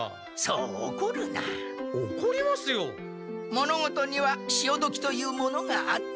物事にはしおどきというものがあって。